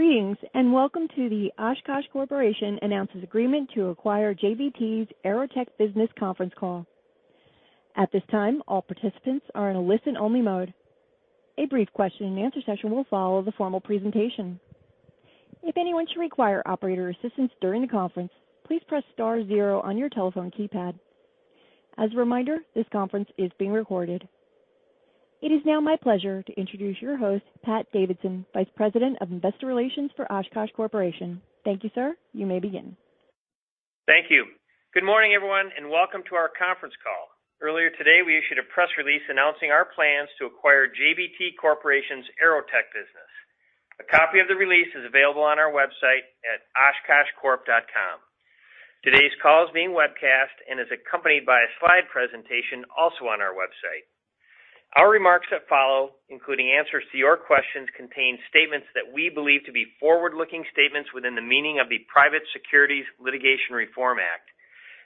Greetings, welcome to the Oshkosh Corporation announces agreement to acquire JBT's AeroTech Business conference call. At this time, all participants are in a listen-only mode. A brief question-and-answer session will follow the formal presentation. If anyone should require operator assistance during the conference, please press star zero on your telephone keypad. As a reminder, this conference is being recorded. It is now my pleasure to introduce your host, Pat Davidson, Vice President of Investor Relations for Oshkosh Corporation. Thank you, sir. You may begin. Thank you. Good morning, everyone, and welcome to our conference call. Earlier today, we issued a press release announcing our plans to acquire JBT Corporation's AeroTech business. A copy of the release is available on our website at oshkoshcorp.com. Today's call is being webcast and is accompanied by a slide presentation also on our website. Our remarks that follow, including answers to your questions, contain statements that we believe to be forward-looking statements within the meaning of the Private Securities Litigation Reform Act.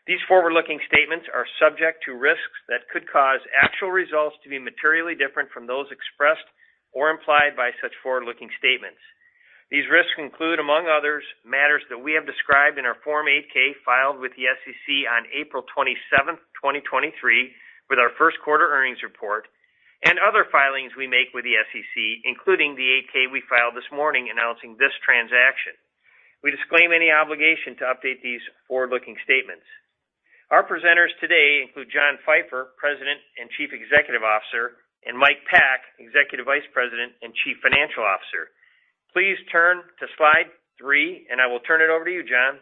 These forward-looking statements are subject to risks that could cause actual results to be materially different from those expressed or implied by such forward-looking statements. These risks include, among others, matters that we have described in our Form 8-K filed with the SEC on April 27, 2023, with our first quarter earnings report, and other filings we make with the SEC, including the 8-K we filed this morning announcing this transaction. We disclaim any obligation to update these forward-looking statements. Our presenters today include John Pfeifer, President and Chief Executive Officer, and Mike Pack, Executive Vice President and Chief Financial Officer. Please turn to slide three, and I will turn it over to you, John.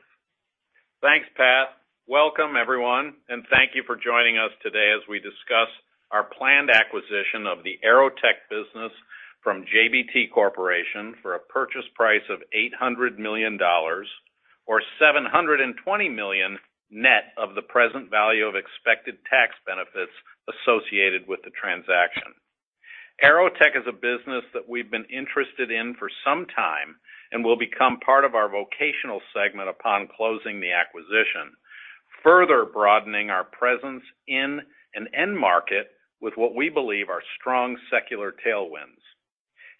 Thanks, Pat. Welcome, everyone, thank you for joining us today as we discuss our planned acquisition of the AeroTech business from JBT Corporation for a purchase price of $800 million, or $720 million net of the present value of expected tax benefits associated with the transaction. AeroTech is a business that we've been interested in for some time and will become part of our vocational segment upon closing the acquisition, further broadening our presence in an end market with what we believe are strong secular tailwinds.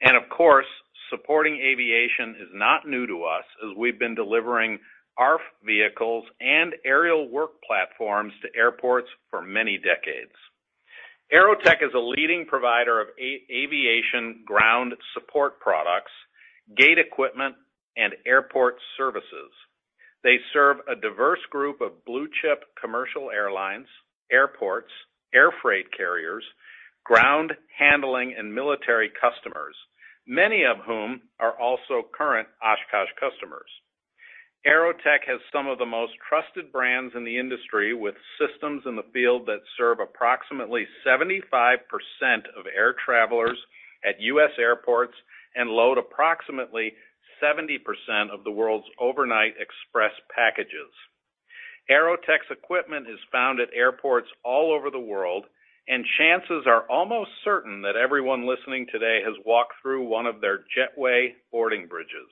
Of course, supporting aviation is not new to us, as we've been delivering ARFF vehicles and aerial work platforms to airports for many decades. AeroTech is a leading provider of aviation ground support products, gate equipment, and airport services. They serve a diverse group of blue-chip commercial airlines, airports, air freight carriers, ground handling, and military customers, many of whom are also current Oshkosh customers. AeroTech has some of the most trusted brands in the industry, with systems in the field that serve approximately 75% of air travelers at U.S. airports and load approximately 70% of the world's overnight express packages. AeroTech's equipment is found at airports all over the world. Chances are almost certain that everyone listening today has walked through one of their Jetway boarding bridges.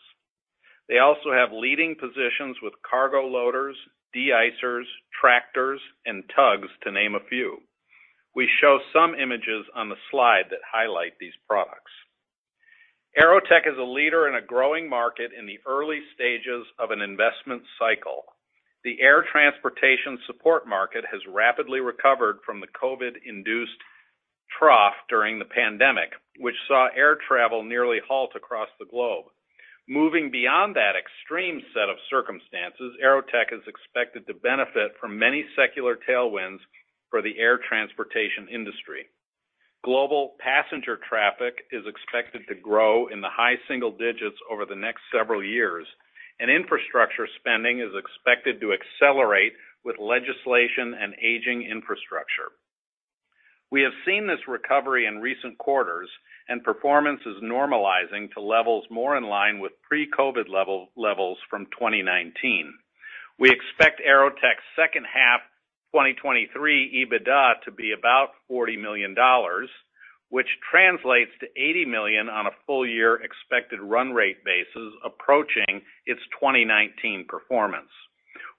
They also have leading positions with cargo loaders, de-icers, tractors, and tugs, to name a few. We show some images on the slide that highlight these products. AeroTech is a leader in a growing market in the early stages of an investment cycle. The air transportation support market has rapidly recovered from the COVID-induced trough during the pandemic, which saw air travel nearly halt across the globe. Moving beyond that extreme set of circumstances, AeroTech is expected to benefit from many secular tailwinds for the air transportation industry. Global passenger traffic is expected to grow in the high single digits over the next several years, and infrastructure spending is expected to accelerate with legislation and aging infrastructure. We have seen this recovery in recent quarters, and performance is normalizing to levels more in line with pre-COVID levels from 2019. We expect AeroTech's second half 2023 EBITDA to be about $40 million, which translates to $80 million on a full year expected run rate basis, approaching its 2019 performance.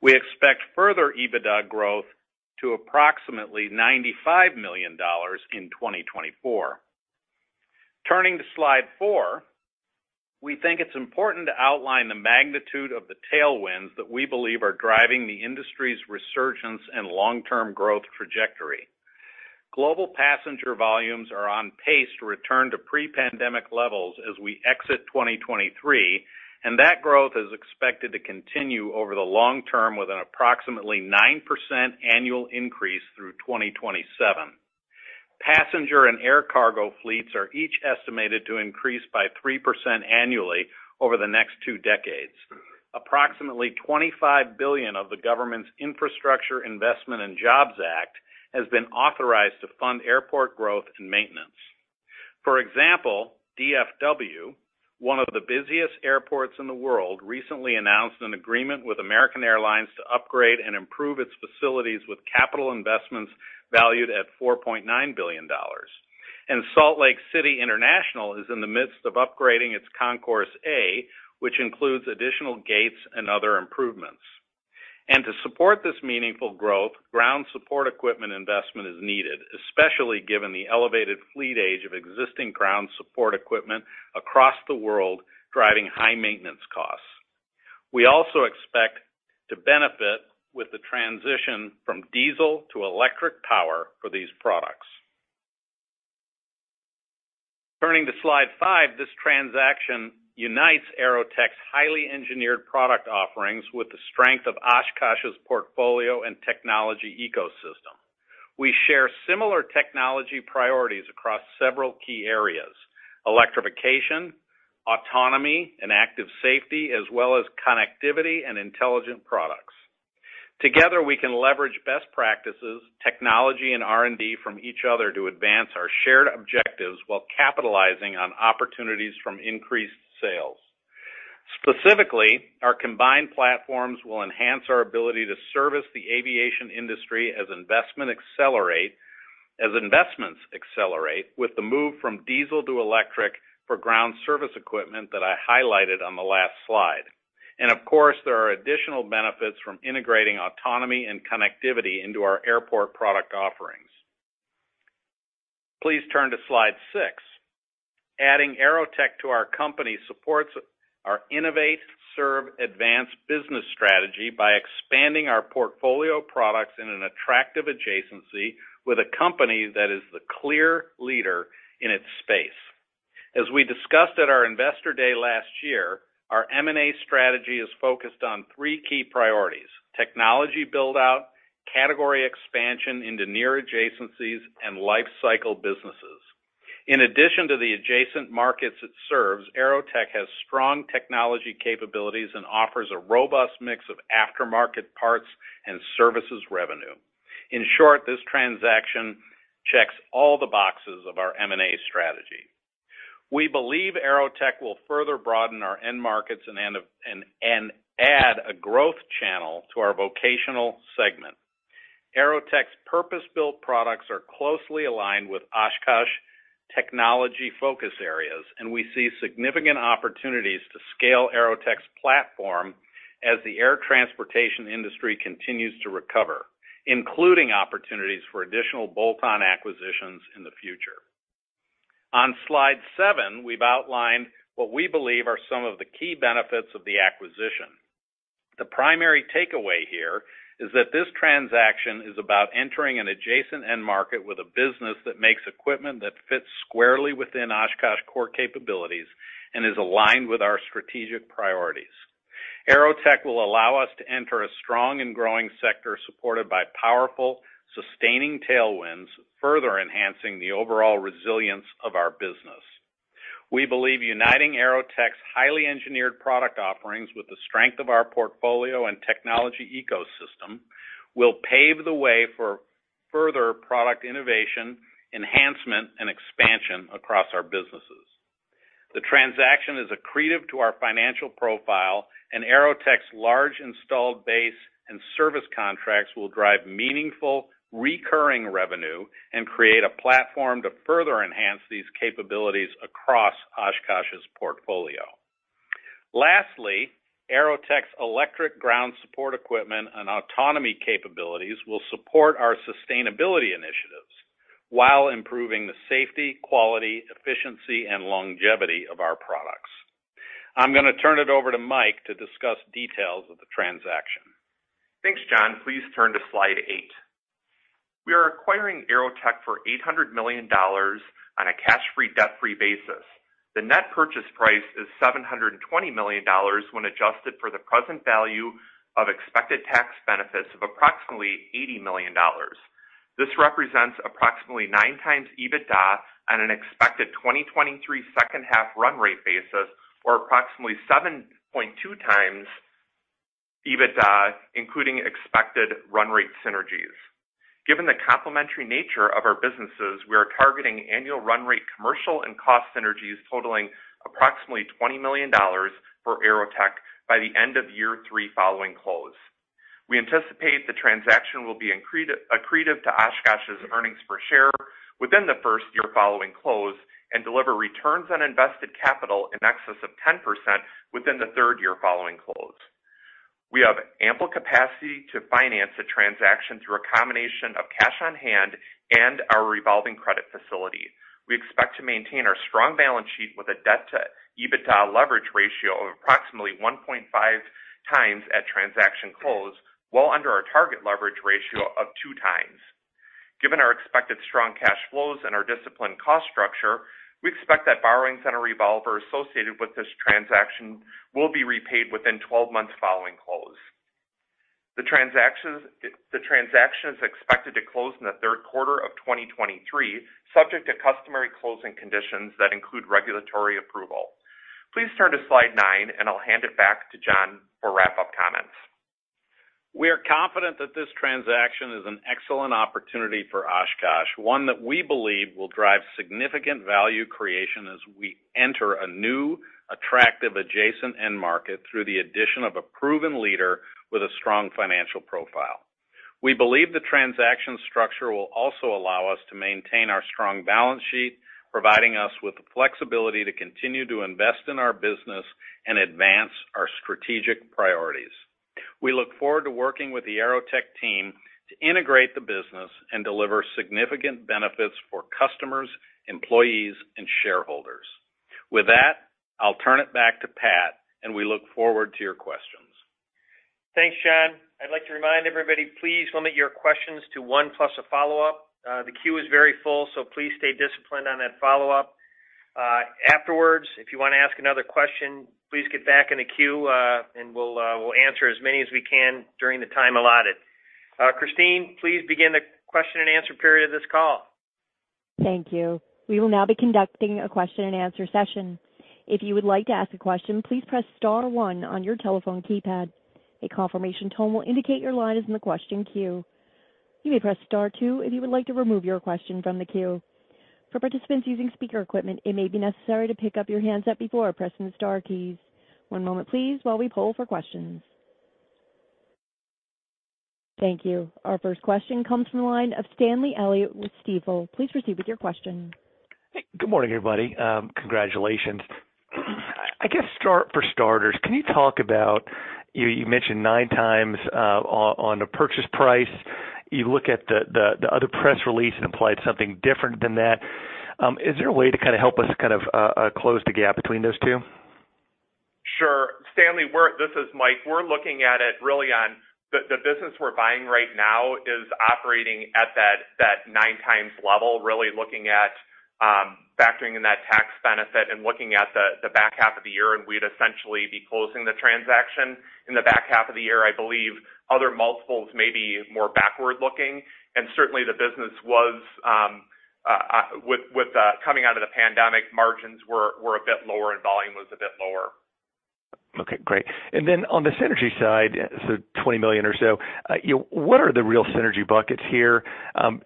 We expect further EBITDA growth to approximately $95 million in 2024. Turning to slide four, we think it's important to outline the magnitude of the tailwinds that we believe are driving the industry's resurgence and long-term growth trajectory. Global passenger volumes are on pace to return to pre-pandemic levels as we exit 2023. That growth is expected to continue over the long term, with an approximately 9% annual increase through 2027. Passenger and air cargo fleets are each estimated to increase by 3% annually over the next two decades. Approximately $25 billion of the government's Infrastructure Investment and Jobs Act has been authorized to fund airport growth and maintenance. For example, DFW, one of the busiest airports in the world, recently announced an agreement with American Airlines to upgrade and improve its facilities with capital investments valued at $4.9 billion. Salt Lake City International is in the midst of upgrading its Concourse A, which includes additional gates and other improvements. To support this meaningful growth, ground support equipment investment is needed, especially given the elevated fleet age of existing ground support equipment across the world, driving high maintenance costs. We also expect to benefit with the transition from diesel to electric power for these products. Turning to slide five, this transaction unites AeroTech's highly engineered product offerings with the strength of Oshkosh's portfolio and technology ecosystem. We share similar technology priorities across several key areas: electrification, autonomy, and active safety, as well as connectivity and intelligent products. Together, we can leverage best practices, technology, and R&D from each other to advance our shared objectives, while capitalizing on opportunities from increased sales. Specifically, our combined platforms will enhance our ability to service the aviation industry as investments accelerate, with the move from diesel to electric for ground service equipment that I highlighted on the last slide. Of course, there are additional benefits from integrating autonomy and connectivity into our airport product offerings. Please turn to slide six. Adding AeroTech to our company supports our Innovate. Serve. Advance. business strategy by expanding our portfolio of products in an attractive adjacency with a company that is the clear leader in its space. As we discussed at our Investor Day last year, our M&A strategy is focused on three key priorities: technology build-out, category expansion into near adjacencies, and lifecycle businesses. In addition to the adjacent markets it serves, AeroTech has strong technology capabilities and offers a robust mix of aftermarket parts and services revenue. In short, this transaction checks all the boxes of our M&A strategy. We believe AeroTech will further broaden our end markets and add a growth channel to our vocational segment. AeroTech's purpose-built products are closely aligned with Oshkosh technology focus areas, and we see significant opportunities to scale AeroTech's platform as the air transportation industry continues to recover, including opportunities for additional bolt-on acquisitions in the future. On slide seven, we've outlined what we believe are some of the key benefits of the acquisition. The primary takeaway here is that this transaction is about entering an adjacent end market with a business that makes equipment that fits squarely within Oshkosh core capabilities and is aligned with our strategic priorities. AeroTech will allow us to enter a strong and growing sector, supported by powerful, sustaining tailwinds, further enhancing the overall resilience of our business. We believe uniting AeroTech's highly engineered product offerings with the strength of our portfolio and technology ecosystem, will pave the way for further product innovation, enhancement, and expansion across our businesses. The transaction is accretive to our financial profile. AeroTech's large installed base and service contracts will drive meaningful recurring revenue and create a platform to further enhance these capabilities across Oshkosh's portfolio. Lastly, AeroTech's electric ground support equipment and autonomy capabilities will support our sustainability initiatives while improving the safety, quality, efficiency, and longevity of our products. I'm gonna turn it over to Mike to discuss details of the transaction. Thanks, John. Please turn to slide eight. We are acquiring AeroTech for $800 million on a cash-free, debt-free basis. The net purchase price is $720 million when adjusted for the present value of expected tax benefits of approximately $80 million. This represents approximately nine times EBITDA on an expected 2023 second-half run rate basis, or approximately 7.2 times EBITDA, including expected run rate synergies. Given the complementary nature of our businesses, we are targeting annual run rate commercial and cost synergies totaling approximately $20 million for AeroTech by the end of year three following close. We anticipate the transaction will be accretive to Oshkosh's earnings per share within the first year following close, and deliver returns on invested capital in excess of 10% within the third year following close. We have ample capacity to finance the transaction through a combination of cash on hand and our revolving credit facility. We expect to maintain our strong balance sheet with a debt to EBITDA leverage ratio of approximately 1.5 times at transaction close, well under our target leverage ratio of two times. Given our expected strong cash flows and our disciplined cost structure, we expect that borrowings on our revolver associated with this transaction will be repaid within 12 months following close. The transaction is expected to close in the third quarter of 2023, subject to customary closing conditions that include regulatory approval. Please turn to slide nine, and I'll hand it back to John for wrap-up comments. We are confident that this transaction is an excellent opportunity for Oshkosh, one that we believe will drive significant value creation as we enter a new, attractive, adjacent end market through the addition of a proven leader with a strong financial profile. We believe the transaction structure will also allow us to maintain our strong balance sheet, providing us with the flexibility to continue to invest in our business and advance our strategic priorities. We look forward to working with the AeroTech team to integrate the business and deliver significant benefits for customers, employees, and shareholders. With that, I'll turn it back to Pat. We look forward to your questions. Thanks, John. I'd like to remind everybody, please limit your questions to 1, plus a follow-up. The queue is very full, so please stay disciplined on that follow-up. Afterwards, if you want to ask another question, please get back in the queue, and we'll answer as many as we can during the time allotted. Christine, please begin the question and answer period of this call. Thank you. We will now be conducting a question-and-answer session. If you would like to ask a question, please press star one on your telephone keypad. A confirmation tone will indicate your line is in the question queue. You may press star two if you would like to remove your question from the queue. For participants using speaker equipment, it may be necessary to pick up your handset before pressing the star keys. One moment, please, while we poll for questions. Thank you. Our first question comes from the line of Stanley Elliott with Stifel. Please proceed with your question. Good morning, everybody, congratulations. I guess for starters, can you talk about, you mentioned nine times on the purchase price. You look at the other press release and implied something different than that. Is there a way to kind of help us kind of close the gap between those two? Sure. Stanley, this is Mike. We're looking at it really on the business we're buying right now is operating at that nine times level, really looking at factoring in that tax benefit and looking at the back half of the year. We'd essentially be closing the transaction in the back half of the year. I believe other multiples may be more backward-looking, certainly the business was with coming out of the pandemic, margins were a bit lower and volume was a bit lower. Okay, great. On the synergy side, $20 million or so, what are the real synergy buckets here?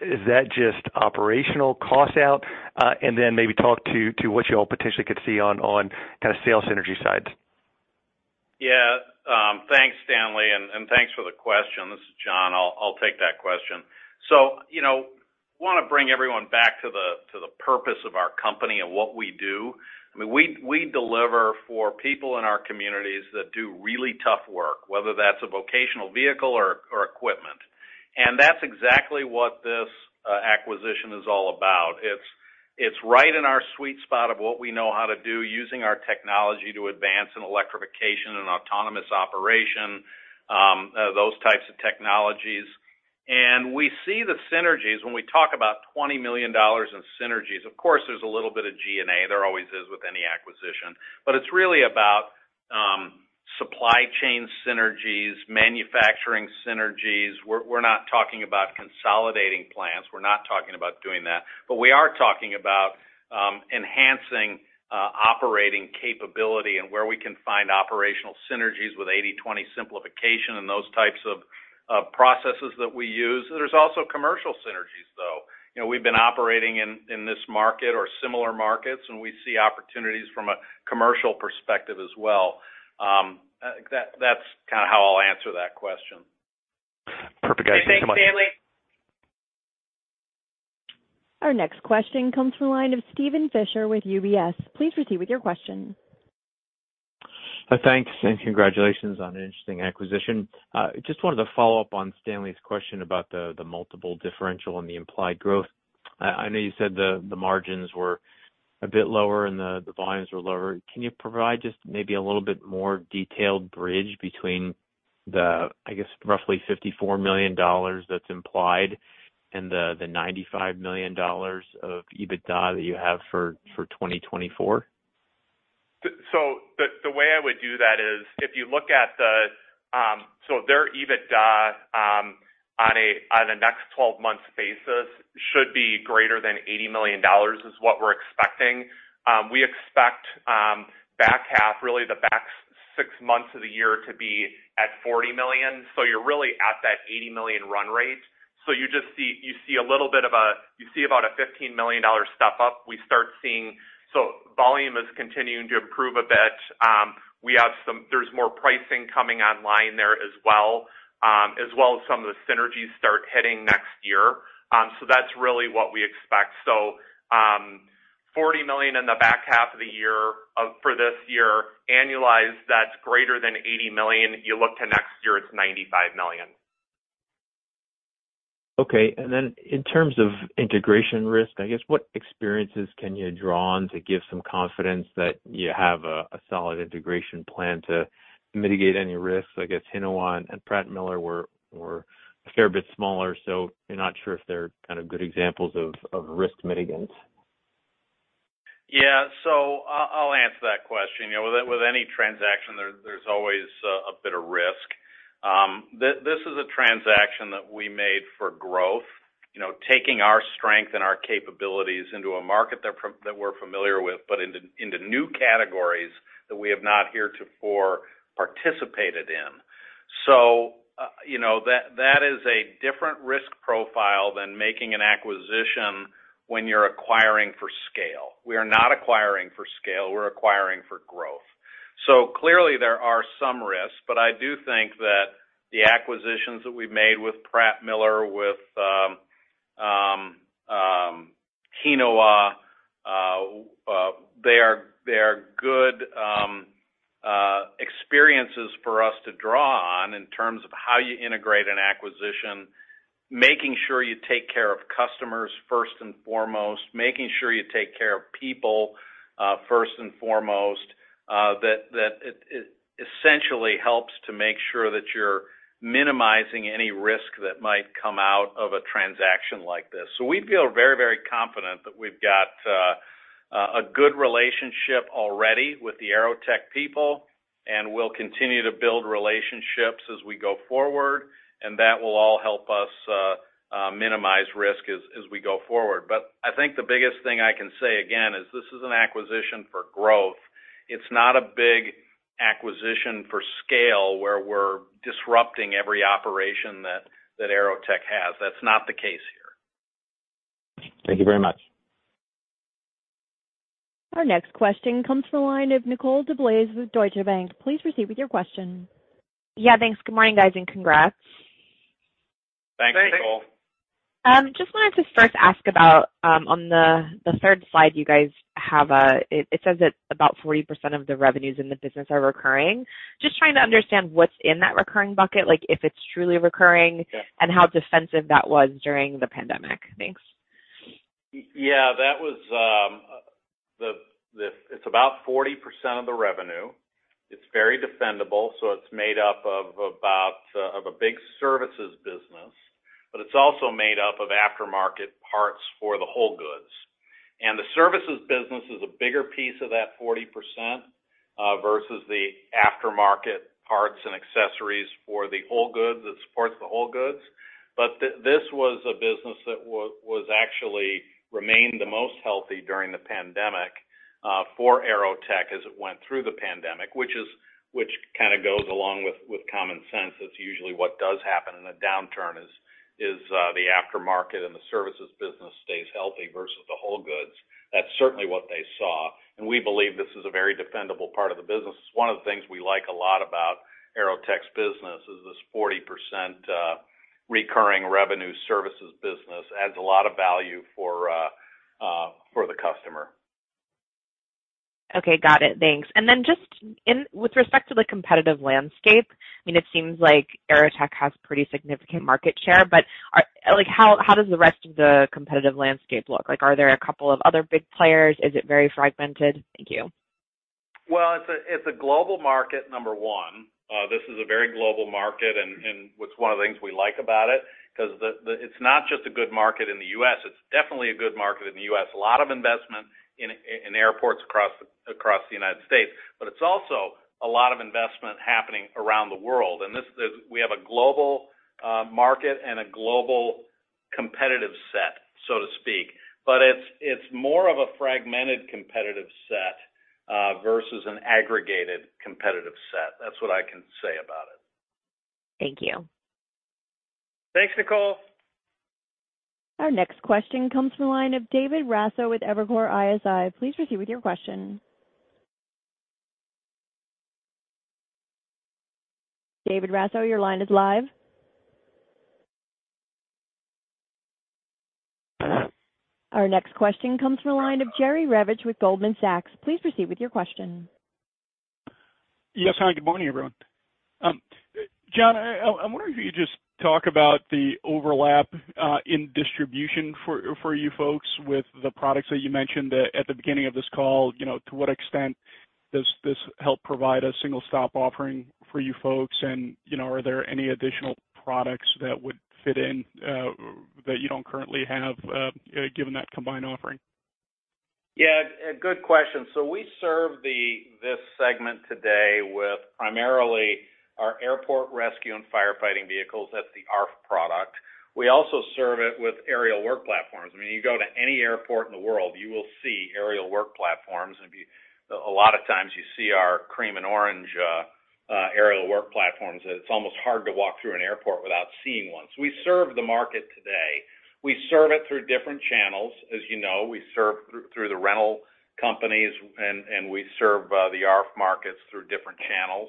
Is that just operational cost out? Maybe talk to what you all potentially could see on kind of sales synergy side. Thanks, Stanley, and thanks for the question. This is John. I'll take that question. You know, want to bring everyone back to the purpose of our company and what we do. I mean, we deliver for people in our communities that do really tough work, whether that's a vocational vehicle or equipment. That's exactly what this acquisition is all about. It's right in our sweet spot of what we know how to do, using our technology to advance in electrification and autonomous operation, those types of technologies. We see the synergies. When we talk about $20 million in synergies, of course, there's a little bit of G&A. There always is with any acquisition, but it's really about supply chain synergies, manufacturing synergies. We're not talking about consolidating plants, we're not talking about doing that. We are talking about enhancing operating capability and where we can find operational synergies with 80/20 simplification and those types of processes that we use. There's also commercial synergies, though. You know, we've been operating in this market or similar markets. We see opportunities from a commercial perspective as well. That's kind of how I'll answer that question. Perfect. Thanks so much. Okay. Thanks, Stanley. Our next question comes from the line of Steven Fisher with UBS. Please proceed with your question. Thanks, congratulations on an interesting acquisition. Just wanted to follow up on Stanley's question about the multiple differential and the implied growth. I know you said the margins were a bit lower and the volumes were lower. Can you provide just maybe a little bit more detailed bridge between the, I guess, roughly $54 million that's implied and the $95 million of EBITDA that you have for 2024? The way I would do that is, if you look at the, their EBITDA on a 12-month basis, should be greater than $80 million, is what we're expecting. We expect back half, really the back six months of the year to be at $40 million. You're really at that $80 million run rate. You just see, you see a little bit of, you see about a $15 million step up. We start seeing. Volume is continuing to improve a bit. We have some. There's more pricing coming online there as well, as well as some of the synergies start hitting next year. That's really what we expect. $40 million in the back half of the year for this year. Annualized, that's greater than $80 million. You look to next year, it's $95 million. Okay. Then in terms of integration risk, I guess, what experiences can you draw on to give some confidence that you have a solid integration plan to mitigate any risks? I guess, Hinowa and Pratt Miller were a fair bit smaller, you're not sure if they're kind of good examples of risk mitigants. Yeah, I'll answer that question. You know, with any transaction, there's always a bit of risk. This is a transaction that we made for growth. You know, taking our strength and our capabilities into a market that we're familiar with, but into new categories that we have not heretofore participated in. You know, that is a different risk profile than making an acquisition when you're acquiring for scale. We are not acquiring for scale, we're acquiring for growth. Clearly, there are some risks, but I do think that the acquisitions that we've made with Pratt Miller, with Hinowa, they are good experiences for us to draw on in terms of how you integrate an acquisition, making sure you take care of customers first and foremost, making sure you take care of people first and foremost, that it essentially helps to make sure that you're minimizing any risk that might come out of a transaction like this. We feel very, very confident that we've got a good relationship already with the AeroTech people, and we'll continue to build relationships as we go forward, and that will all help us minimize risk as we go forward. I think the biggest thing I can say again, is this is an acquisition for growth. It's not a big acquisition for scale, where we're disrupting every operation that AeroTech has. That's not the case here. Thank you very much. Our next question comes from the line of Nicole DeBlase with Deutsche Bank. Please proceed with your question. Yeah, thanks. Good morning, guys, and congrats. Thanks, Nicole. Just wanted to first ask about on the third slide, you guys have it says that about 40% of the revenues in the business are recurring. Just trying to understand what's in that recurring bucket, like, if it's truly recurring? Yeah. How defensive that was during the pandemic. Thanks. Yeah, that was. It's about 40% of the revenue. It's very defendable, so it's made up of about a big services business, but it's also made up of aftermarket parts for the whole goods. The services business is a bigger piece of that 40%, versus the aftermarket parts and accessories for the whole goods, that supports the whole goods. This was a business that actually remained the most healthy during the pandemic, for AeroTech, as it went through the pandemic, which kind of goes along with common sense. That's usually what does happen in a downturn, is, the aftermarket and the services business stays healthy versus the whole goods. That's certainly what they saw, and we believe this is a very defendable part of the business. It's one of the things we like a lot about AeroTech's business, is this 40% recurring revenue services business. Adds a lot of value for the customer. Okay, got it. Thanks. just in, with respect to the competitive landscape, I mean, it seems like AeroTech has pretty significant market share, but like, how does the rest of the competitive landscape look? Like, are there a couple of other big players? Is it very fragmented? Thank you. Well, it's a global market, number one. This is a very global market and that's one of the things we like about it, 'cause it's not just a good market in the US, it's definitely a good market in the US. A lot of investment in airports across the United States, but it's also a lot of investment happening around the world. This is, we have a global market and a global competitive set, so to speak. It's more of a fragmented competitive set versus an aggregated competitive set. That's what I can say about it. Thank you. Thanks, Nicole. Our next question comes from the line of David Raso with Evercore ISI. Please proceed with your question. David Raso, your line is live. Our next question comes from the line of Jerry Revich with Goldman Sachs. Please proceed with your question. Yes, hi, good morning, everyone. John, I'm wondering if you could just talk about the overlap in distribution for you folks with the products that you mentioned at the beginning of this call. You know, to what extent does this help provide a single stop offering for you folks? You know, are there any additional products that would fit in that you don't currently have given that combined offering? Yeah, a good question. We serve this segment today with primarily our airport rescue and firefighting vehicles. That's the ARFF product. We also serve it with aerial work platforms. I mean, you go to any airport in the world, you will see aerial work platforms, and a lot of times you see our cream and orange aerial work platforms. It's almost hard to walk through an airport without seeing one. We serve the market today. We serve it through different channels. As you know, we serve through the rental companies, and we serve the ARFF markets through different channels.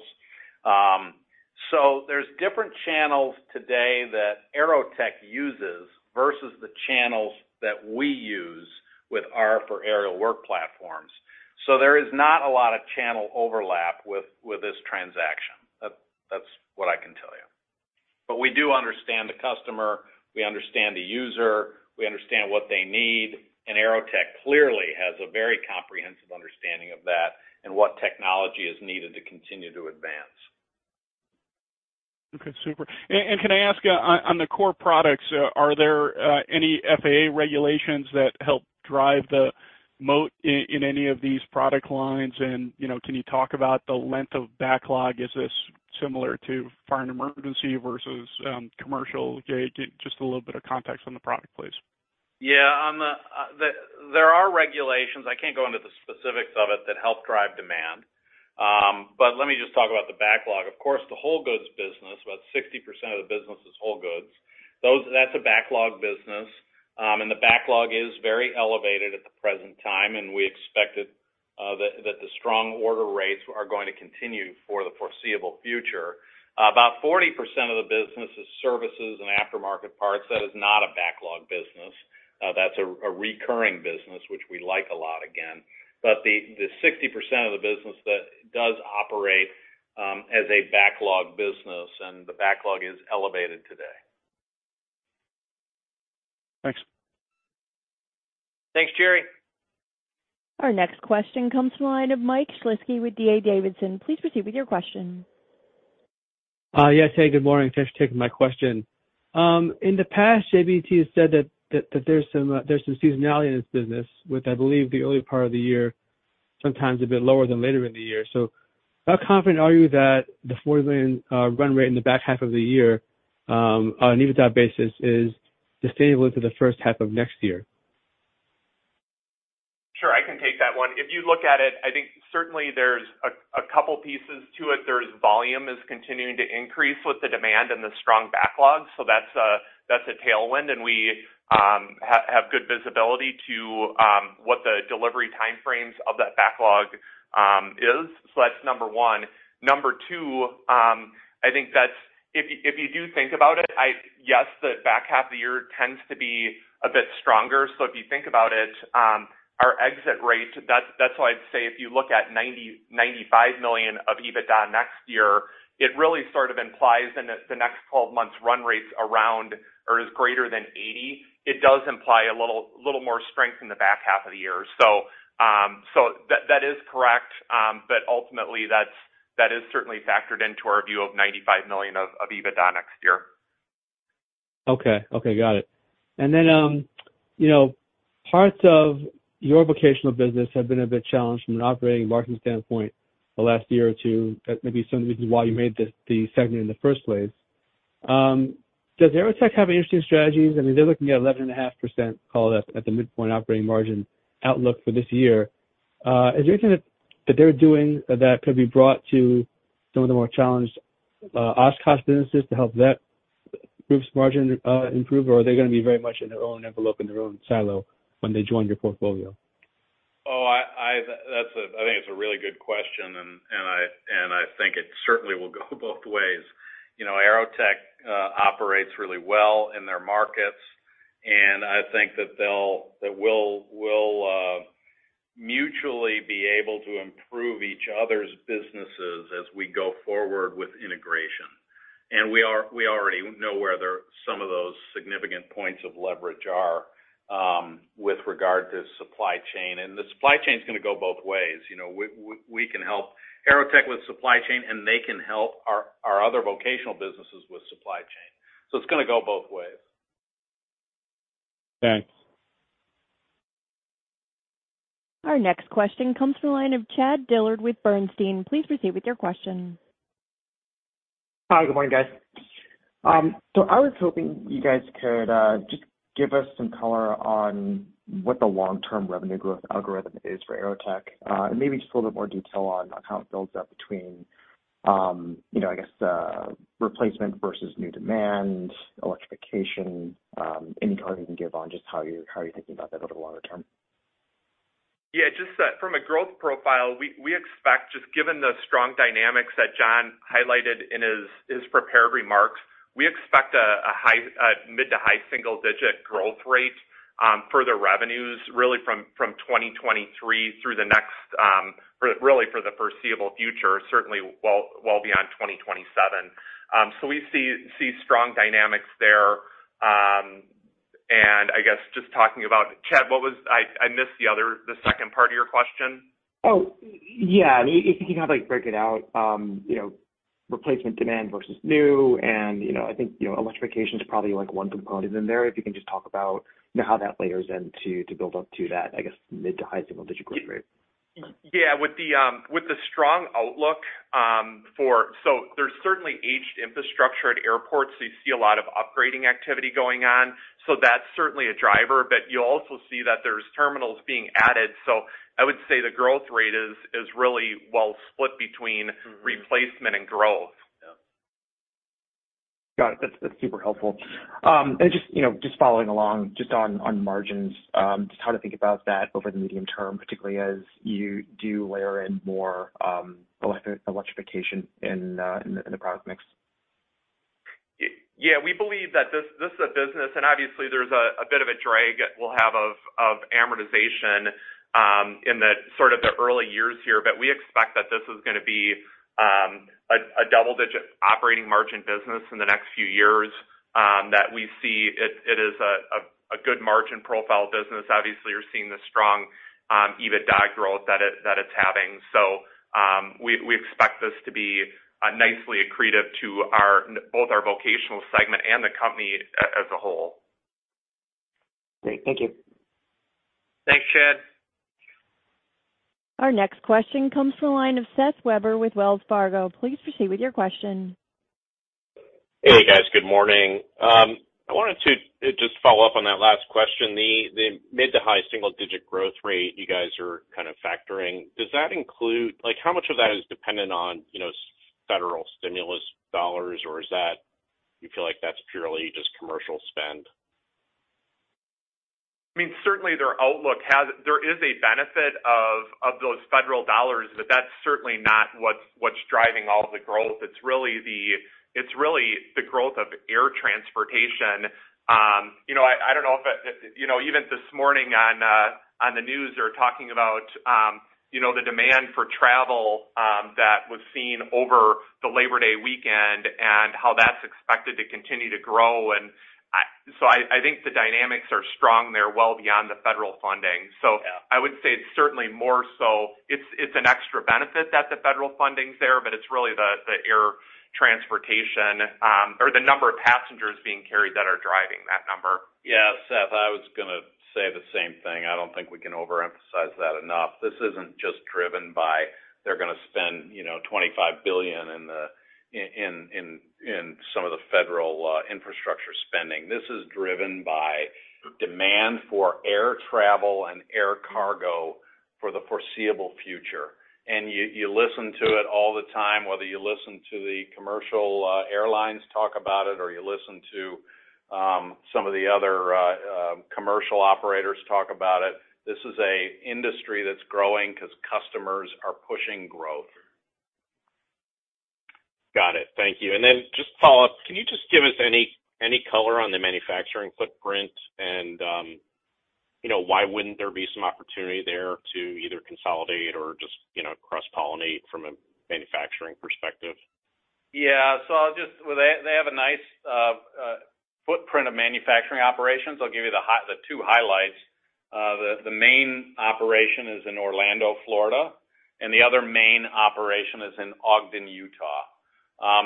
There's different channels today that AeroTech uses versus the channels that we use with our for aerial work platforms. There is not a lot of channel overlap with this transaction. That's what I can tell you. We do understand the customer, we understand the user, we understand what they need. AeroTech clearly has a very comprehensive understanding of that and what technology is needed to continue to advance. Okay, super. Can I ask you, on the core products, are there any FAA regulations that help drive the moat in any of these product lines? You know, can you talk about the length of backlog? Is this similar to fire and emergency versus commercial? just a little bit of context on the product, please. Yeah. On the, there are regulations, I can't go into the specifics of it, that help drive demand. Let me just talk about the backlog. Of course, the whole goods business, about 60% of the business is whole goods. Those, that's a backlog business, and the backlog is very elevated at the present time, and we expect that the strong order rates are going to continue for the foreseeable future. About 40% of the business is services and aftermarket parts. That is not a backlog business. That's a recurring business, which we like a lot again. The 60% of the business that does operate as a backlog business and the backlog is elevated today. Thanks. Thanks, Jerry. Our next question comes from the line of Mike Shlisky with D.A. Davidson. Please proceed with your question. Yes. Hey, good morning. Thanks for taking my question. In the past, JBT has said that there's some seasonality in this business, with, I believe, the early part of the year, sometimes a bit lower than later in the year. How confident are you that the $40 million run rate in the back half of the year, on an EBITDA basis, is sustainable into the first half of next year? Sure, I can take that one. If you look at it, I think certainly there's a couple pieces to it. There's volume is continuing to increase with the demand and the strong backlog. That's a tailwind, and we have good visibility to what the delivery time frames of that backlog is. That's number one. Number two, I think if you do think about it, yes, the back half of the year tends to be a bit stronger. If you think about it, our exit rate, that's why I'd say if you look at $90 million-$95 million of EBITDA next year, it really sort of implies in the next 12 months run rates around or is greater than 80. It does imply a little more strength in the back half of the year. That is correct. Ultimately, that is certainly factored into our view of $95 million of EBITDA next year. Okay. Okay, got it. You know, parts of your vocational business have been a bit challenged from an operating margin standpoint the last year or two. That may be some of the reasons why you made this the segment in the first place. Does AeroTech have interesting strategies? I mean, they're looking at 11.5% call it, at the midpoint operating margin outlook for this year. Is there anything that they're doing that could be brought to some of the more challenged, OSK businesses to help that group's margin improve? Or are they gonna be very much in their own envelope, in their own silo when they join your portfolio? I think it's a really good question, and I think it certainly will go both ways. You know, AeroTech operates really well in their markets. I think that they'll, that we'll mutually be able to improve each other's businesses as we go forward with integration. We already know where there some of those significant points of leverage are with regard to supply chain. The supply chain is gonna go both ways. You know, we can help AeroTech with supply chain, and they can help our other vocational businesses with supply chain. It's gonna go both ways. Thanks. Our next question comes from the line of Chad Dillard with Bernstein. Please proceed with your question. Hi, good morning, guys. I was hoping you guys could just give us some color on what the long-term revenue growth algorithm is for AeroTech. Maybe just a little bit more detail on how it builds out between, you know, I guess, replacement versus new demand, electrification, any color you can give on just how you're thinking about that over the longer term. Just that from a growth profile, we expect, just given the strong dynamics that John highlighted in his prepared remarks, we expect a high, a mid to high single digit growth rate, further revenues really from 2023 through the next, really for the foreseeable future, certainly well beyond 2027. We see strong dynamics there. I guess just talking about... Chad, what was I missed the other, the second part of your question? Oh, yeah. If you can kind of like break it out, you know, replacement demand versus new and, you know, I think, you know, electrification is probably like one component in there. If you can just talk about, you know, how that layers in to build up to that, I guess, mid to high single digit growth rate. Yeah. With the, with the strong outlook, there's certainly aged infrastructure at airports, so you see a lot of upgrading activity going on. That's certainly a driver, but you also see that there's terminals being added. I would say the growth rate is really well split between replacement and growth. Got it. That's super helpful. Just, you know, just following along, just on margins, just how to think about that over the medium term, particularly as you do layer in more electrification in the product mix. Yeah, we believe that this is a business, obviously there's a bit of a drag we'll have of amortization in the sort of the early years here. We expect that this is gonna be a double-digit operating margin business in the next few years, that we see it is a good margin profile business. Obviously, you're seeing the strong EBITDA growth that it's having. We expect this to be nicely accretive to both our vocational segment and the company as a whole. Great. Thank you. Thanks, Chad. Our next question comes from the line of Seth Weber with Wells Fargo. Please proceed with your question. Hey, guys, good morning. I wanted to just follow up on that last question. The mid to high single digit growth rate you guys are kind of factoring, like how much of that is dependent on, you know, federal stimulus dollars, or is that, you feel like that's purely just commercial spend? I mean, certainly their outlook has, there is a benefit of those federal dollars, but that's certainly not what's driving all the growth. It's really the growth of air transportation. you know, I don't know if, you know, even this morning on the news, they were talking about, you know, the demand for travel that was seen over the Labor Day weekend and how that's expected to continue to grow. I think the dynamics are strong there, well beyond the federal funding. Yeah. I would say it's certainly more so it's an extra benefit that the federal funding's there, but it's really the air transportation, or the number of passengers being carried that are driving that number. Yeah, Seth, I was gonna say the same thing. I don't think we can overemphasize that enough. This isn't just driven by they're gonna spend, you know, $25 billion in some of the federal infrastructure spending. This is driven by demand for air travel and air cargo for the foreseeable future. You listen to it all the time, whether you listen to the commercial airlines talk about it, or you listen to some of the other commercial operators talk about it. This is a industry that's growing because customers are pushing growth. Got it. Thank you. Then just follow up, can you just give us any color on the manufacturing footprint? You know, why wouldn't there be some opportunity there to either consolidate or just, you know, cross-pollinate from a manufacturing perspective? Yeah. Well, they have a nice footprint of manufacturing operations. I'll give you the two highlights. The main operation is in Orlando, Florida, and the other main operation is in Ogden, Utah.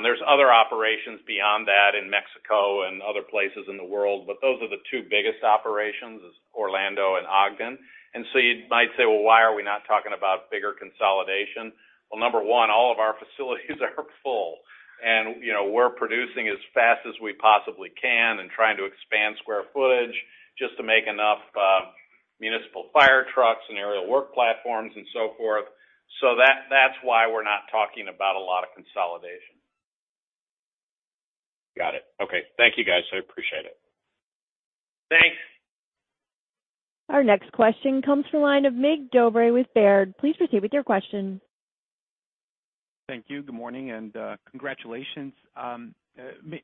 There's other operations beyond that in Mexico and other places in the world, those are the two biggest operations, is Orlando and Ogden. You might say, "Well, why are we not talking about bigger consolidation?" Well, number one, all of our facilities are full, and, you know, we're producing as fast as we possibly can and trying to expand square footage just to make enough municipal fire trucks and aerial work platforms and so forth. That's why we're not talking about a lot of consolidation. Got it. Okay. Thank you, guys. I appreciate it. Thanks. Our next question comes from the line of Mig Dobre with Baird. Please proceed with your question. Thank you. Good morning, and congratulations.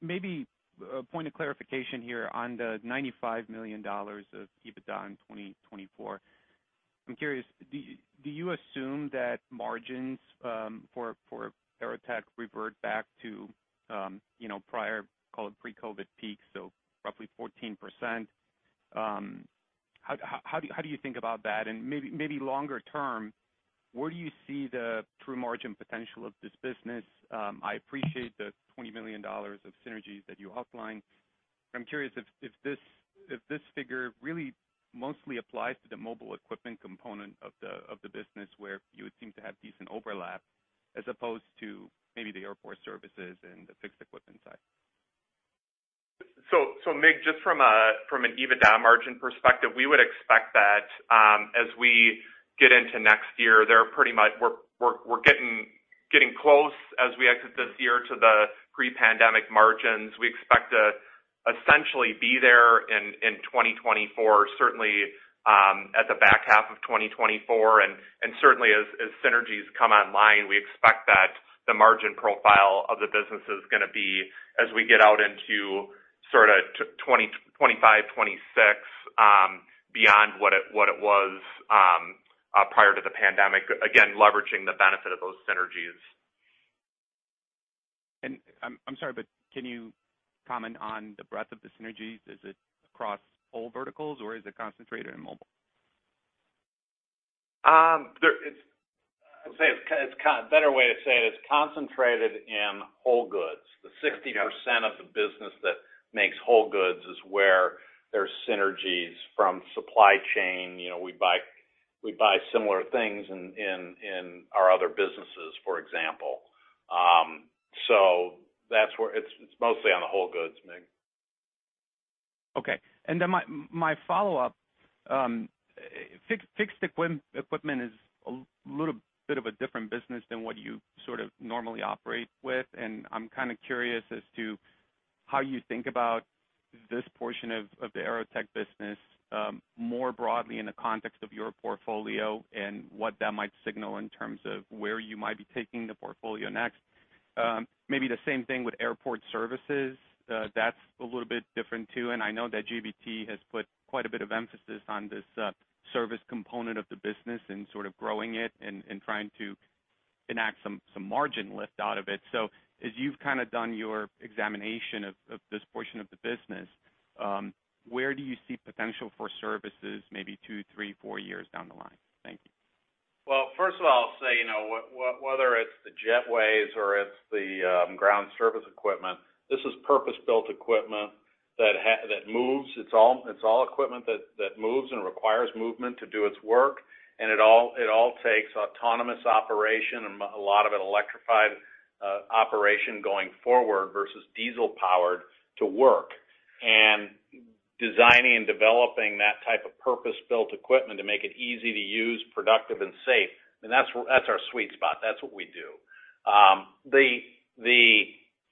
Maybe, a point of clarification here on the $95 million of EBITDA in 2024. I'm curious, do you assume that margins for AeroTech revert back to, you know, prior, call it pre-COVID peak, so roughly 14%? How do you think about that? Maybe longer term, where do you see the true margin potential of this business? I appreciate the $20 million of synergies that you outlined. I'm curious if this figure really mostly applies to the mobile equipment component of the business, where you would seem to have decent overlap, as opposed to maybe the airport services and the fixed equipment side. Mig, just from an EBITDA margin perspective, we would expect that as we get into next year, we're getting close as we exit this year to the pre-pandemic margins. We expect to essentially be there in 2024, certainly, at the back half of 2024. Certainly as synergies come online, we expect that the margin profile of the business is gonna be as we get out into sort of 2025, 2026, beyond what it was prior to the pandemic, again, leveraging the benefit of those synergies. I'm sorry, can you comment on the breadth of the synergies? Is it across all verticals, or is it concentrated in mobile? Um, there-- It's- I'd say A better way to say it's concentrated in whole goods. Okay. The 60% of the business that makes whole goods is where there's synergies from supply chain. You know, we buy similar things in our other businesses, for example. It's mostly on the whole goods, Mig. Okay. My follow-up, fixed equipment is a little bit of a different business than what you sort of normally operate with, and I'm kind of curious as to how you think about this portion of the AeroTech business, more broadly in the context of your portfolio, and what that might signal in terms of where you might be taking the portfolio next. Maybe the same thing with airport services. That's a little bit different, too, and I know that JBT has put quite a bit of emphasis on this service component of the business and sort of growing it and trying to enact some margin lift out of it. As you've kind of done your examination of this portion of the business, where do you see potential for services, maybe two, three, four years down the line? Thank you. First of all, I'll say, you know, whether it's the Jetways or it's the ground service equipment, this is purpose-built equipment that moves. It's all equipment that moves and requires movement to do its work, and it all takes autonomous operation and a lot of it electrified operation going forward, versus diesel-powered, to work. Designing and developing that type of purpose-built equipment to make it easy to use, productive, and safe, and that's our sweet spot. That's what we do. ...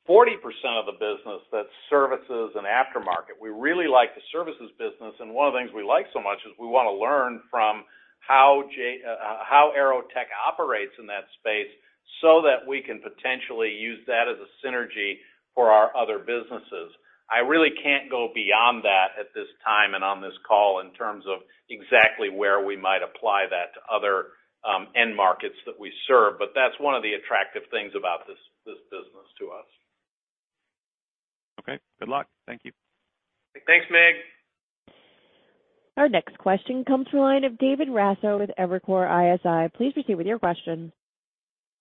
40% of the business that's services and aftermarket. We really like the services business, one of the things we like so much is we want to learn from how AeroTech operates in that space, that we can potentially use that as a synergy for our other businesses. I really can't go beyond that at this time and on this call, in terms of exactly where we might apply that to other end markets that we serve, that's one of the attractive things about this business to us. Okay, good luck. Thank you. Thanks, Mig. Our next question comes from the line of David Raso with Evercore ISI. Please proceed with your question.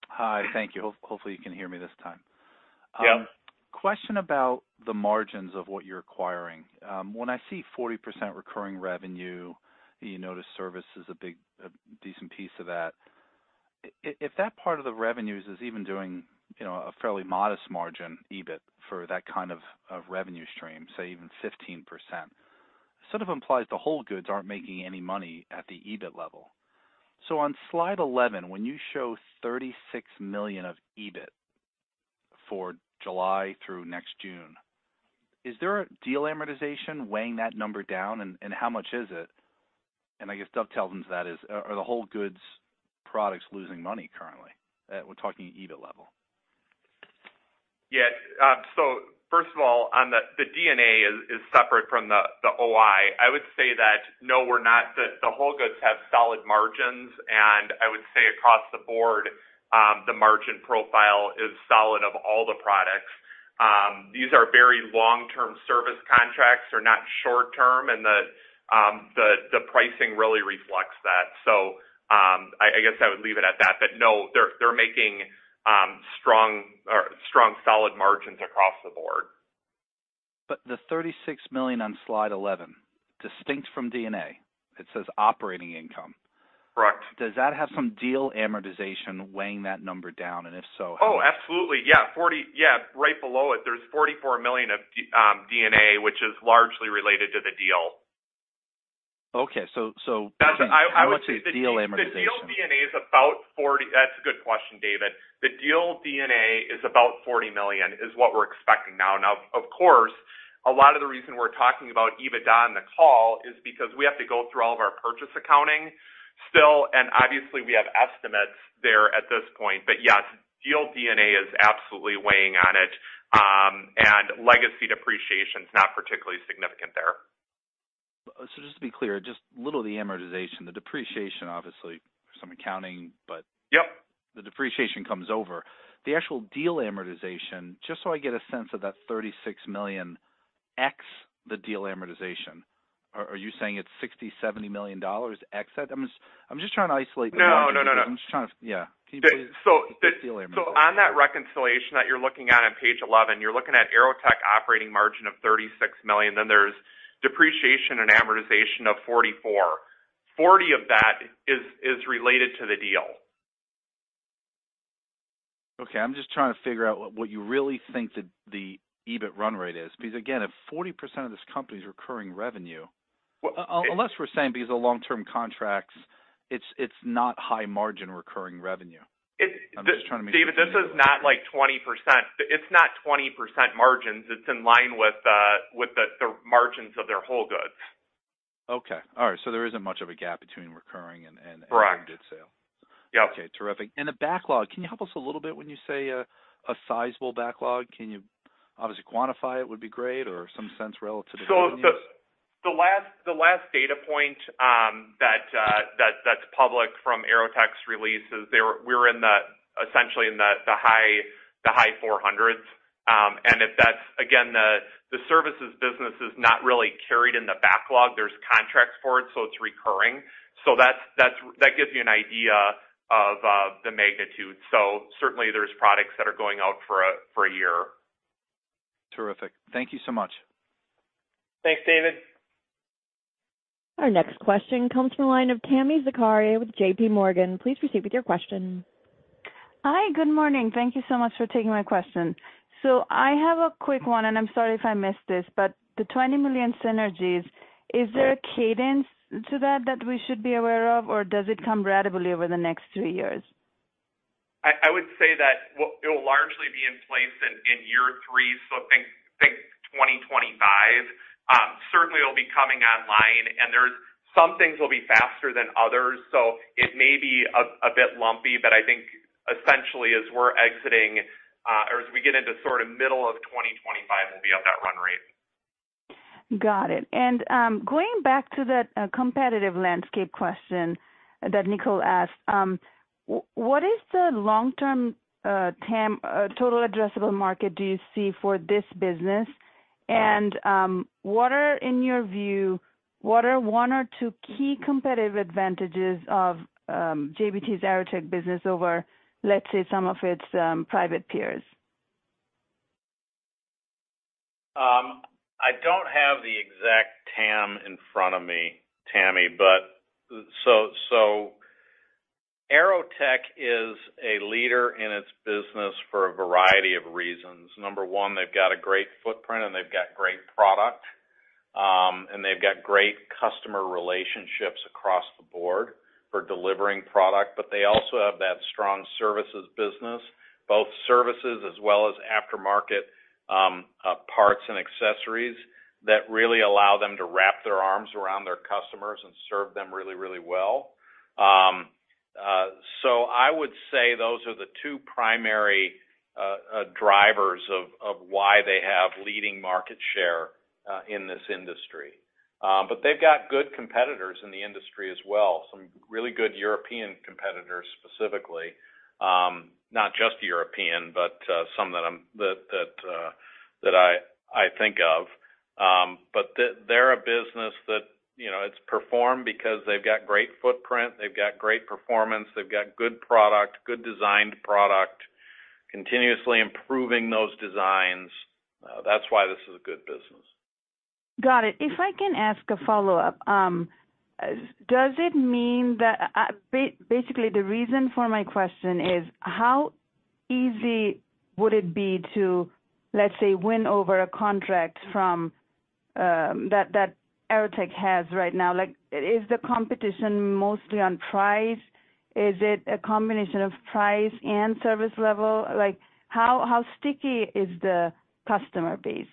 Hi, thank you. Hopefully you can hear me this time. Yep. Question about the margins of what you're acquiring. When I see 40% recurring revenue, and you notice service is a big, a decent piece of that. If that part of the revenues is even doing, you know, a fairly modest margin, EBIT for that kind of revenue stream, say even 15%, sort of implies the whole goods aren't making any money at the EBIT level. On slide 11, when you show $36 million of EBIT for July through next June, is there a deal amortization weighing that number down, and how much is it? I guess dovetails into that is, are the whole goods products losing money currently? We're talking EBIT level. Yeah. First of all, the DNA is separate from the OI. I would say that, no, we're not. The, the whole goods have solid margins, and I would say across the board, the margin profile is solid of all the products. These are very long-term service contracts. They're not short term, and the pricing really reflects that. I guess I would leave it at that. No, they're making strong, solid margins across the board. The $36 million on slide 11, distinct from DNA, it says operating income. Correct. Does that have some deal amortization weighing that number down? If so, how-. Oh, absolutely. Yeah, right below it, there's $44 million of DNA, which is largely related to the deal. Okay. I would say. How much is deal amortization? That's a good question, David. The deal DNA is about $40 million, is what we're expecting now. Of course, a lot of the reason we're talking about EBITDA on the call is because we have to go through all of our purchase accounting still, and obviously, we have estimates there at this point. Yes, deal DNA is absolutely weighing on it. And legacy depreciation is not particularly significant there. Just to be clear, just a little of the amortization, the depreciation, obviously, some accounting, but. Yep. The depreciation comes over. The actual deal amortization, just so I get a sense of that $36 million X, the deal amortization. Are you saying it's $60 million-$70 million X? I'm just trying to isolate the. No, no, no. Yeah. Can you please? So the- Deal amortization. On that reconciliation that you're looking at on page 11, you're looking at AeroTech operating margin of $36 million, then there's depreciation and amortization of $44 million. $40 million of that is related to the deal. Okay. I'm just trying to figure out what you really think the EBIT run rate is, because, again, if 40% of this company is recurring revenue- Well. Unless we're saying because of long-term contracts, it's not high margin recurring revenue. It's- I'm just trying to make sure... David, this is not like 20%. It's not 20% margins. It's in line with the margins of their whole goods. Okay. All right, there isn't much of a gap between recurring and. Correct. Good sale. Yeah. Okay, terrific. The backlog. Can you help us a little bit when you say a sizable backlog? Can you obviously quantify it would be great or some sense relative to- The last data point that's public from AeroTech's release is we're in the essentially in the high $400s. If that's again, the services business is not really carried in the backlog. There's contracts for it, so it's recurring. That's, that gives you an idea of the magnitude. Certainly, there's products that are going out for a year. Terrific. Thank you so much. Thanks, David. Our next question comes from the line of Tami Zakaria with J.P. Morgan. Please proceed with your question. Hi, good morning. Thank you so much for taking my question. I have a quick one, and I'm sorry if I missed this, but the $20 million synergies, is there a cadence to that we should be aware of, or does it come ratably over the next three years? I would say that it will largely be in place in year three, so think 2025. Certainly it'll be coming online, and there's some things will be faster than others, so it may be a bit lumpy, but I think essentially as we're exiting, or as we get into sort of middle of 2025, we'll be at that run rate. Got it. Going back to the competitive landscape question that Nicole asked, what is the long-term TAM, total addressable market do you see for this business? What are, in your view, what are one or two key competitive advantages of JBT's AeroTech business over, let's say, some of its private peers? I don't have the exact TAM in front of me, Tami, but so AeroTech is a leader in its business for a variety of reasons. Number one, they've got a great footprint, and they've got great product.... and they've got great customer relationships across the board for delivering product, but they also have that strong services business, both services as well as aftermarket, parts and accessories, that really allow them to wrap their arms around their customers and serve them really, really well. I would say those are the two primary drivers of why they have leading market share in this industry. They've got good competitors in the industry as well, some really good European competitors, specifically. Not just European, but some that I think of. They're a business that, you know, it's performed because they've got great footprint, they've got great performance, they've got good product, good designed product, continuously improving those designs. That's why this is a good business. Got it. If I can ask a follow-up. Basically, the reason for my question is: How easy would it be to, let's say, win over a contract from that AeroTech has right now? Is the competition mostly on price? Is it a combination of price and service level? How sticky is the customer base?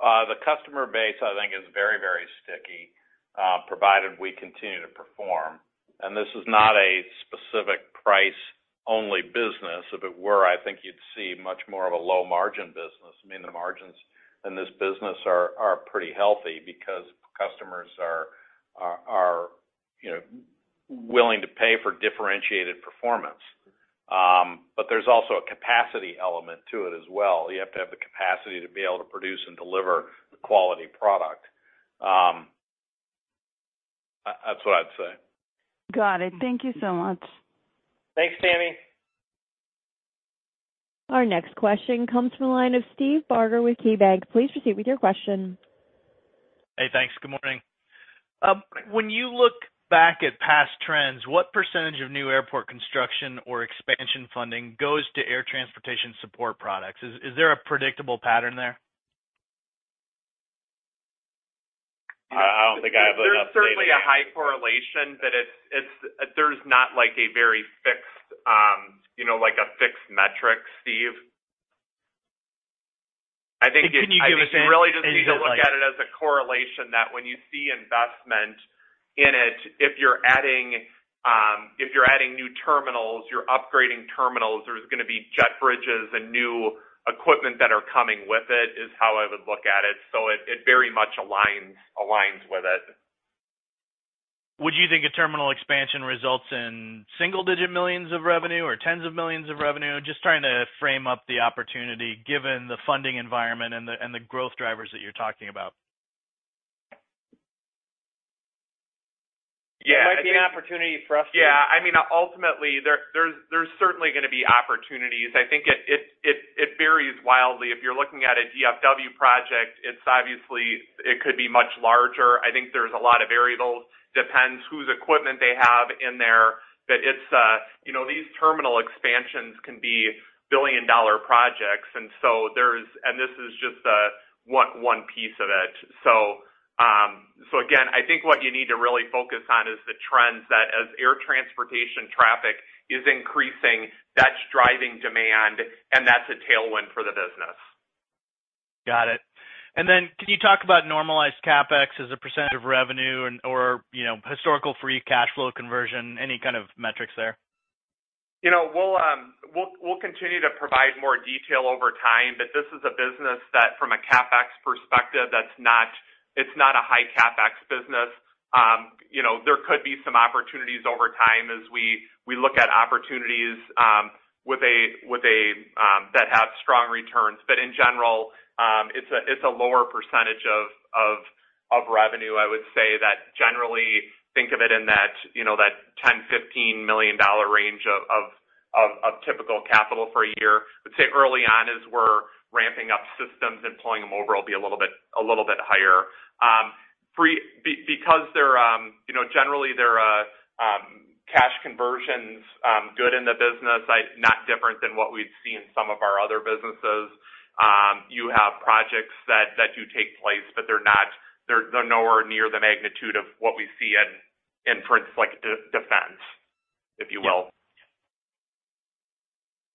The customer base, I think, is very, very sticky, provided we continue to perform. This is not a specific price-only business. If it were, I think you'd see much more of a low-margin business. I mean, the margins in this business are pretty healthy because customers are, you know, willing to pay for differentiated performance. There's also a capacity element to it as well. You have to have the capacity to be able to produce and deliver the quality product. That's what I'd say. Got it. Thank you so much. Thanks, Tami. Our next question comes from the line of Steve Barger with KeyBanc. Please proceed with your question. Hey, thanks. Good morning. When you look back at past trends, what percentage of new airport construction or expansion funding goes to air transportation support products? Is there a predictable pattern there? I don't think I have enough data. There's certainly a high correlation, but there's not like a very fixed, you know, like a fixed metric, Steve. Can you give us an idea? You really just need to look at it as a correlation, that when you see investment in it, if you're adding, if you're adding new terminals, you're upgrading terminals, there's gonna be jet bridges and new equipment that are coming with it, is how I would look at it. It, it very much aligns with it. Would you think a terminal expansion results in single digit millions of revenue or tens of millions of revenue? Just trying to frame up the opportunity, given the funding environment and the growth drivers that you're talking about. Yeah, I think- It might be an opportunity for us. Yeah, I mean, ultimately, there's certainly gonna be opportunities. I think it varies wildly. If you're looking at a DFW project, it's obviously, it could be much larger. I think there's a lot of variables. Depends whose equipment they have in there. It's, you know, these terminal expansions can be billion-dollar projects, and so there's and this is just one piece of it. Again, I think what you need to really focus on is the trends, that as air transportation traffic is increasing, that's driving demand, and that's a tailwind for the business. Got it. Then, can you talk about normalized CapEx as a percent of revenue and, or, you know, historical free cash flow conversion, any kind of metrics there? You know, we'll continue to provide more detail over time. This is a business that, from a CapEx perspective, it's not a high CapEx business. You know, there could be some opportunities over time as we look at opportunities with a that have strong returns. In general, it's a lower percentage of revenue. I would say that generally think of it in that, you know, that $10 million-$15 million range of typical capital for a year. I'd say early on, as we're ramping up systems and pulling them over, it'll be a little bit higher. Because they're, you know, generally, they're cash conversions, good in the business, not different than what we'd see in some of our other businesses. You have projects that do take place, but they're nowhere near the magnitude of what we see in parts like Defense, if you will.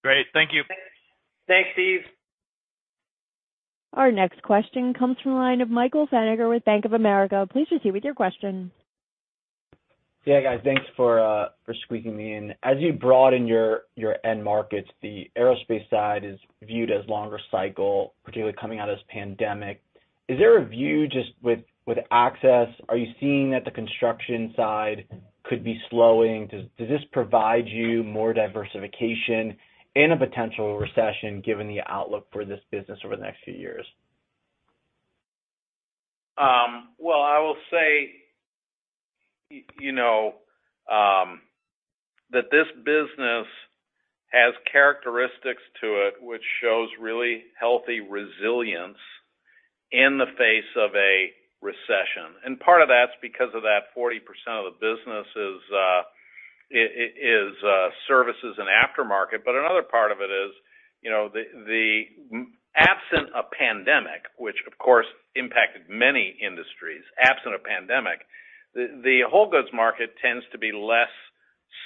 Great. Thank you. Thanks, Steve. Our next question comes from the line of Michael Feniger with Bank of America. Please proceed with your question. Yeah, guys, thanks for squeaking me in. As you broaden your end markets, the aerospace side is viewed as longer cycle, particularly coming out of this pandemic. Is there a view, just with access, are you seeing that the construction side could be slowing? Does this provide you more diversification in a potential recession, given the outlook for this business over the next few years? Well, I will say, you know, that this business has characteristics to it which shows really healthy resilience in the face of a recession. Part of that's because of that 40% of the business is services and aftermarket. Another part of it is, you know, the absent of pandemic, which of course impacted many industries, absent of pandemic, the whole goods market tends to be less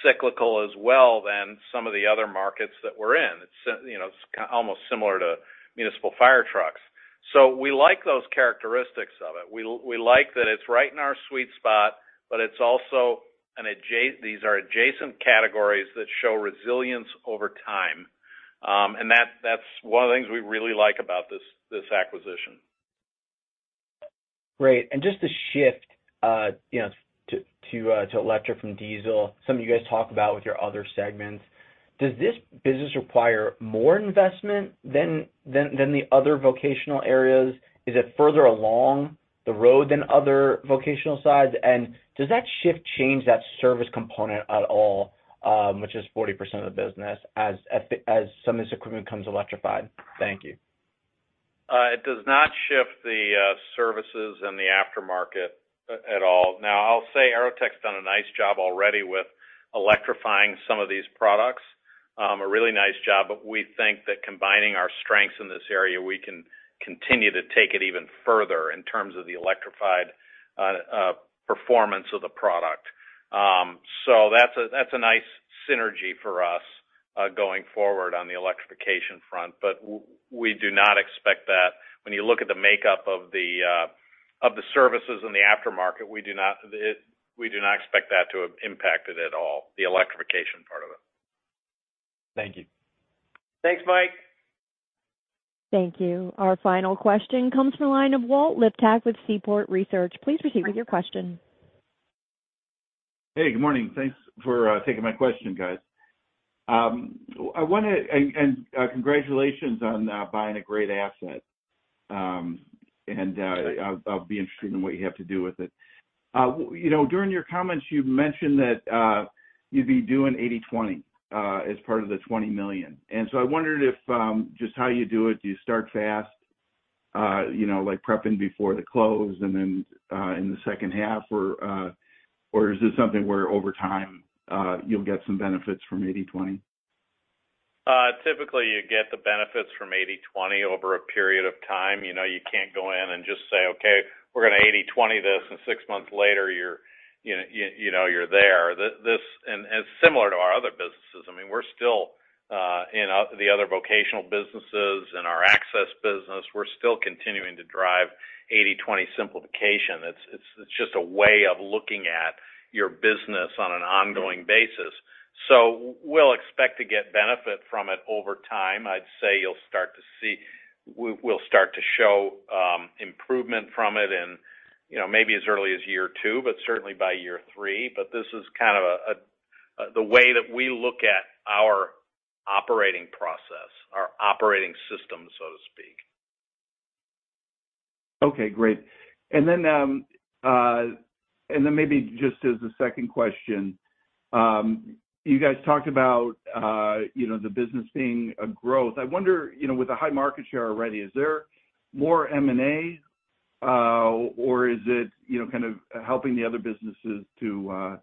cyclical as well than some of the other markets that we're in. It's, you know, it's almost similar to municipal fire trucks. We like those characteristics of it. We like that it's right in our sweet spot, but it's also these are adjacent categories that show resilience over time. That's one of the things we really like about this acquisition. Great. Just to shift, you know, to electric from diesel, some of you guys talk about with your other segments, does this business require more investment than the other vocational areas? Is it further along the road than other vocational sides? Does that shift change that service component at all, which is 40% of the business as some of this equipment becomes electrified? Thank you. It does not shift the services and the aftermarket at all. I'll say AeroTech's done a nice job already with electrifying some of these products, a really nice job. We think that combining our strengths in this area, we can continue to take it even further in terms of the electrified performance of the product. That's a, that's a nice synergy for us going forward on the electrification front. We do not expect that when you look at the makeup of the services in the aftermarket, we do not expect that to have impacted at all, the electrification part of it. Thank you. Thanks, Mike. Thank you. Our final question comes from the line of Walt Liptak with Seaport Research. Please proceed with your question. Hey, good morning. Thanks for taking my question, guys. Congratulations on buying a great asset. I'll be interested in what you have to do with it. You know, during your comments, you mentioned that you'd be doing 80/20 as part of the $20 million. I wondered if just how you do it, do you start fast, you know, like prepping before the close and then in the second half, or is this something where over time, you'll get some benefits from 80/20? Typically, you get the benefits from 80/20 over a period of time. You know, you can't go in and just say, "Okay, we're gonna 80/20 this," and six months later, you're, you know, you know, you're there. This and similar to our other businesses, I mean, we're still in the other vocational businesses and our access business, we're still continuing to drive 80/20 simplification. It's, it's just a way of looking at your business on an ongoing basis. We'll expect to get benefit from it over time. I'd say you'll start to see, we'll start to show improvement from it in, you know, maybe as early as year two, but certainly by year three. This is kind of a, the way that we look at our operating process, our operating system, so to speak. Okay, great. Maybe just as a second question, you guys talked about, you know, the business being a growth. I wonder, you know, with a high market share already, is there more M&A, or is it, you know, kind of helping the other businesses to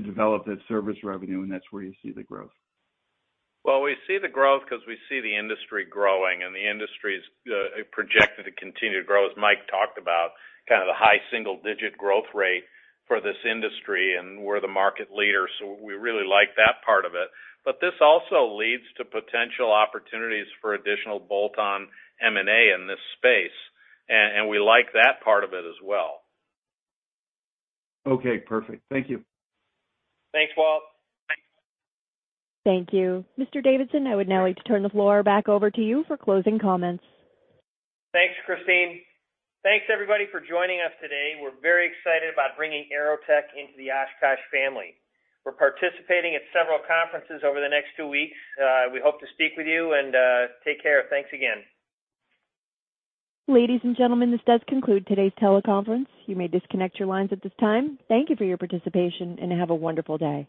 develop that service revenue, and that's where you see the growth? We see the growth 'cause we see the industry growing, and the industry is projected to continue to grow, as Mike talked about, kind of the high single-digit growth rate for this industry, and we're the market leader, so we really like that part of it. This also leads to potential opportunities for additional bolt-on M&A in this space, and we like that part of it as well. Okay, perfect. Thank you. Thanks, Walt. Thank you. Mr. Davidson, I would now like to turn the floor back over to you for closing comments. Thanks, Christine. Thanks, everybody, for joining us today. We're very excited about bringing AeroTech into the Oshkosh family. We're participating at several conferences over the next two weeks. We hope to speak with you, and take care. Thanks again. Ladies and gentlemen, this does conclude today's teleconference. You may disconnect your lines at this time. Thank you for your participation, and have a wonderful day.